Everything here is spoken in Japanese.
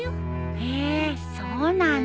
へえそうなんだ。